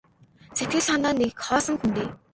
Сэтгэл санаа нь нэг хоосон хөндий.